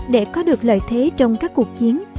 để có được lợi thế trong các cuộc chiến